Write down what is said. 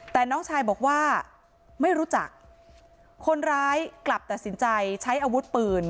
แต่น้องชายบอกว่าไม่รู้จักคนร้ายกลับตัดสินใจใช้อาวุธปืน